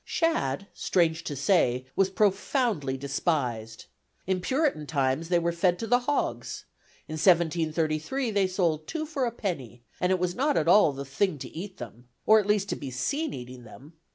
Shad, strange to say, was profoundly despised. In Puritan times they were fed to the hogs; in 1733 they sold two for a penny, and it was not at all "the thing" to eat them or at least to be seen eating them!